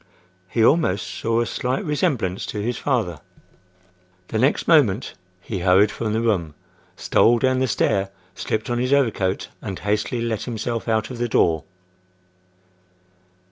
He almost saw a slight resemblance to his father. The next moment he hurried from the room; stole down the stair; slipped on his overcoat, and hastily let himself out of the door.